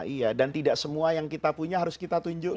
iya dan tidak semua yang kita punya harus kita tunjukkan